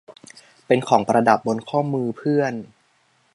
เป็นของประดับบนข้อมือเพื่อน